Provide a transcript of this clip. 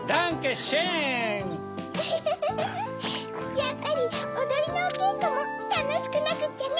やっぱりおどりのおけいこもたのしくなくっちゃね！